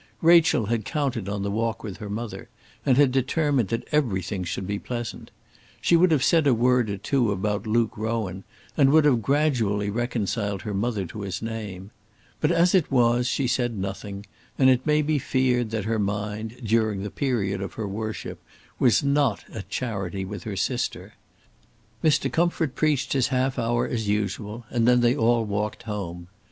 Rachel had counted on the walk with her mother, and had determined that everything should be pleasant. She would have said a word or two about Luke Rowan, and would have gradually reconciled her mother to his name. But as it was she said nothing; and it may be feared that her mind, during the period of her worship, was not at charity with her sister. Mr. Comfort preached his half hour as usual, and then they all walked home.